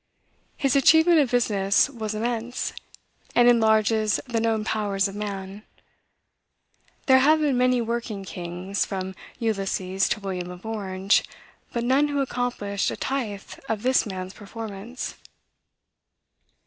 His achievement of business was immense, and enlarges the known powers of man. There have been many working kings, from Ulysses to William of Orange, but none who accomplished a tithe of this man's performance.